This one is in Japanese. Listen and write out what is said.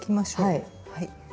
はい。